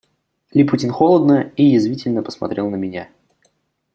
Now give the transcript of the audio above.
Липутин холодно и язвительно посмотрел на меня.